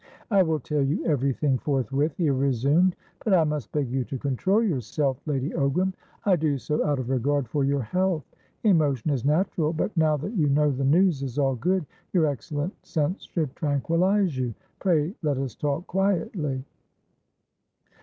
"I will tell you everything forthwith," he resumed, "but I must beg you to control yourself, Lady Ogram. I do so out of regard for your health. Emotion is natural, but, now that you know the news is all good, your excellent sense should tranquillise you. Pray let us talk quietly."